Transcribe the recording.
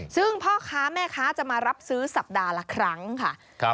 ซึ่งพ่อค้าแม่ค้าจะมารับซื้อสัปดาห์ละครั้งค่ะ